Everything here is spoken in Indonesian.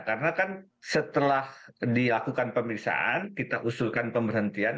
karena kan setelah dilakukan pemeriksaan kita usulkan pemberhentian